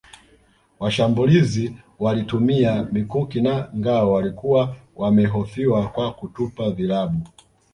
Washambulizi walitumia mikuki na ngao walikuwa wamehofiwa kwa kutupa vilabu